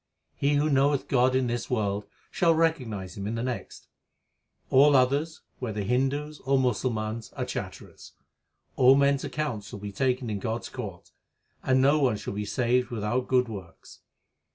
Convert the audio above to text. He who knoweth God in this world, shall recognize Him in the next. All others, whether Hindus or Musalmans, are chatterers. All men s accounts shall be taken in God s court ; And no one shall be saved without good works.